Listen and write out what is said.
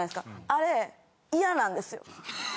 あれ嫌なんです。